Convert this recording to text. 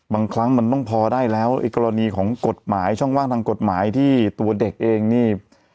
บางครั้งมันต้องพอได้แล้วไอ้กรณีของกฎหมายช่องว่างทางกฎหมายที่ตัวเด็กเองนี่